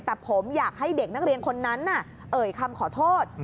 แต่ผมอยากให้เด็กนักเรียนคนนั้นเอ่ยคำขอโทษ